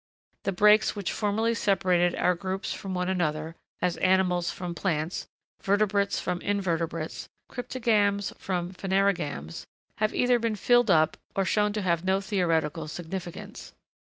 The breaks which formerly separated our groups from one another, as animals from plants, vertebrates from invertebrates, cryptogams from phanerogams, have either been filled up, or shown to have no theoretical significance.